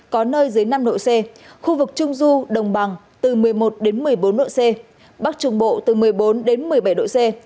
có nơi dưới năm độ c khu vực trung du đồng bằng từ một mươi một một mươi bốn độ c bắc trung bộ từ một mươi bốn một mươi bảy độ c